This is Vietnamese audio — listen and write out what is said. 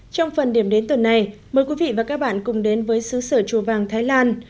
trong phần điểm đến tuần này mời quý vị và các bạn cùng đến với xứ sở chùa vàng thái lan